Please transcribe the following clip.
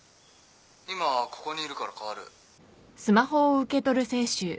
今ここにいるから代わる。